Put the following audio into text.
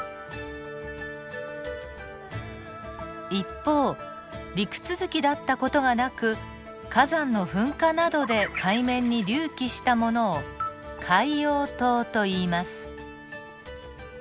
一方陸続きだった事がなく火山の噴火などで海面に隆起したものを海洋島といいます。